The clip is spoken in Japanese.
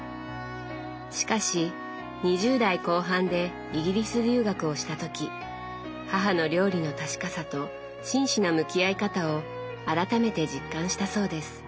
しかし２０代後半でイギリス留学をした時母の料理の確かさと真摯な向き合い方を改めて実感したそうです。